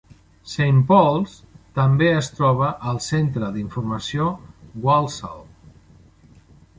Saint Paul's també es troba al Centre d'informació Walsall.